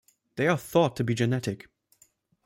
They are thought to be genetic.